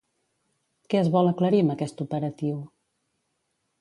Què es vol aclarir amb aquest operatiu?